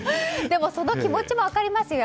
その気持ちも分かりますよ。